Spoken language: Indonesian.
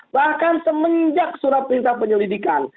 bahkan semenjak surat perintah penyelidikan